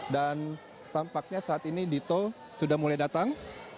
dan tampaknya saat ini dito sudah mulai datang